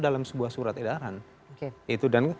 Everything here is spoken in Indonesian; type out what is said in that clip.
dalam sebuah surat edaran